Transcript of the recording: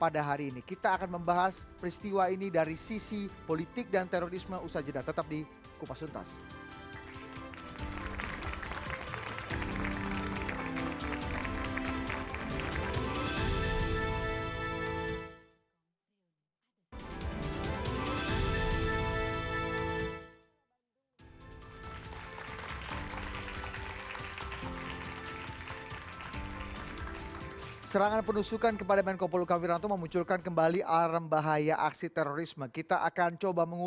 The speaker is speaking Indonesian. dan ini adalah hal yang sangat penting